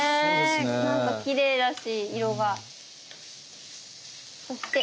なんかきれいだし色が。